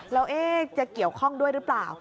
แล้วจะเกี่ยวข้องด้วยหรือเปล่า